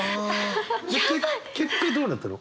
で結局どうなったの？